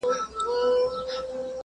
ناپوهي د تورو تيارو په څېر ده.